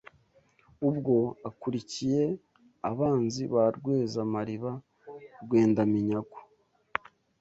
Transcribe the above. Ubwo akurikiye abanzi Ba Rweza-mariba Rwenda minyago